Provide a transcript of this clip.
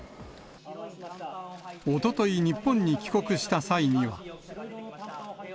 おととい、日本に帰国した際には。